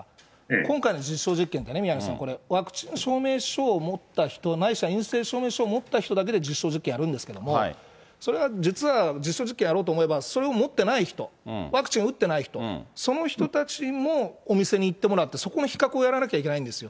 今回の実証実験ってね、宮根さん、ワクチン証明書を持った人、ないしは陰性証明書を持った人だけで実証実験やるんですけれども、それは実は実証実験をやろうと思えば、それを持ってない人、ワクチンを打ってない人、その人たちもお店に行ってもらって、そこの比較をやらなきゃいけないんですよ。